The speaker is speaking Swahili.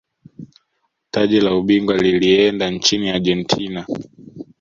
taji la ubingwa lilieenda nchini argentina